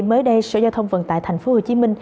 mới đây sở giao thông vận tải tp hcm